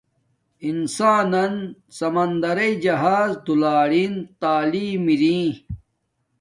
انسانن سمندرݵ جہاز دولارین تعلیم اری